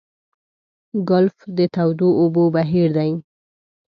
ګلف د تودو اوبو بهیر دی.